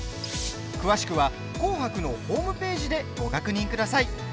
詳しくは「紅白」のホームページでご確認ください。